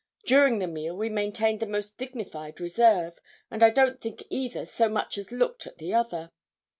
During the meal we maintained the most dignified reserve; and I don't think either so much as looked at the other.